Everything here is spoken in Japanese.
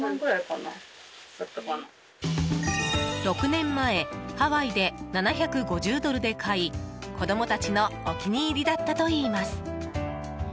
６年前、ハワイで７５０ドルで買い子供たちのお気に入りだったといいます。